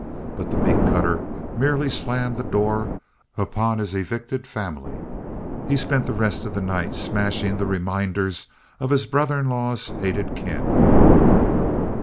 But the meat cutter merely slammed the door upon his evicted family. He spent the rest of the night smashing the reminders of his brother in law's hated kin.